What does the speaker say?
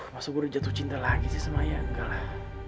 masa gue udah jatuh cinta lagi sih sama ayah enggak lah